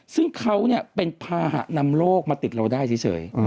ซึ่งเขาเป็นภาหะนำโลกมาติดเราได้เฉย